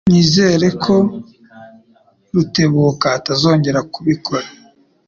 Nizere ko Rutebuka atazongera kubikora.